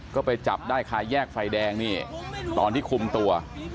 ก็ไปจับได้คาแยกไฟแดงนี่ตอนที่คุมตัว